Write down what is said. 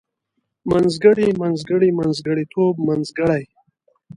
منځګړی منځګړي منځګړيتوب منځګړۍ